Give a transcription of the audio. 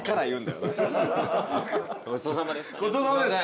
ごちそうさまです。